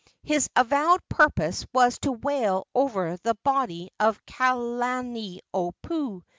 His avowed purpose was to wail over the body of Kalaniopuu.